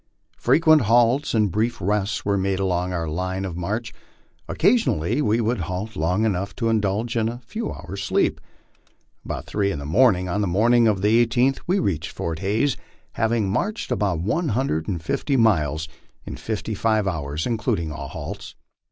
Frequent halts and brief rests were made along our line of march ; occasionally we would halt long enough to indulge in a few hour's sleep. About three o'clock on the morning of the 18th we reached Fort Hays, having marched about one hundred and fifty miles in fifty five hours, including all halts.